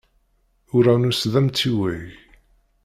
Uranus d amtiweg.